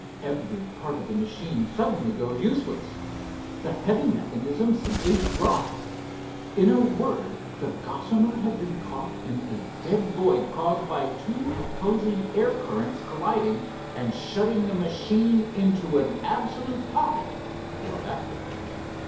Every part of the machine suddenly goes useless. The heavy mechanism simply drops. In a word, the Gossamer had been caught in a dead void caused by two opposing air currents colliding, and shutting the machine into an absolute pocket, or vacuum.